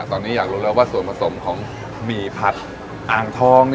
ตอนนี้อยากรู้แล้วว่าส่วนผสมของหมี่ผัดอ่างทอง